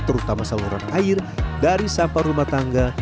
terutama saluran air dari sampah rumah tangga